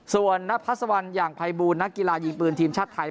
ส่วนนพัศวรรณอย่างภัยบูลนักกีฬายิงปืนทีมชาติไทย